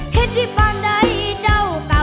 เห็นที่ฝันได้จัวปะหัวสา